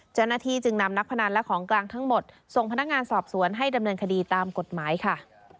เจ้าหน้าที่จึงนำนักพนันและของกลางทั้งหมดส่งพนักงานสอบสวนให้ดำเนินคดีตามกฎหมายค่ะ